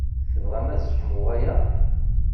Tebɣam ad sseḥmuɣ aya?